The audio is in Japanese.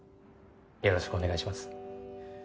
よろしくお願いします。